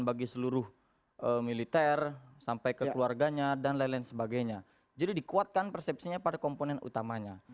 bagi seluruh militer sampai ke keluarganya dan lain lain sebagainya jadi dikuatkan persepsinya pada komponen utamanya